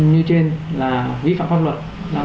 như trên là